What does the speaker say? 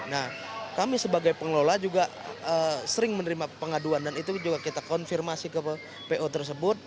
nah kami sebagai pengelola juga sering menerima pengaduan dan itu juga kita konfirmasi ke po tersebut